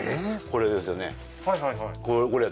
これですよね